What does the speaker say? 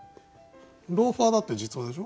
「ローファー」だって実話でしょ？